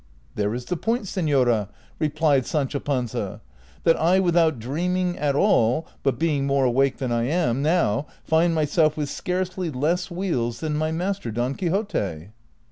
" There is the point, seiiora," replied Sancho Panza, "■ that I without dreaming at all, but being more awake than I am now, find myself with scarcely less wheals than my master, Don Quixote."